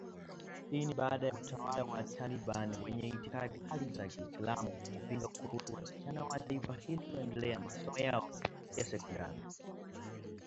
Hii ni baada ya utawala wa Taliban wenye itikadi kali za kiislamu, kupinga kuruhusu wasichana wa taifa hilo kuendelea na masomo yao ya sekondari